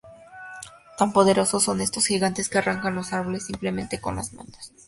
Tan poderosos son estos gigantes que arrancan los árboles simplemente con las manos.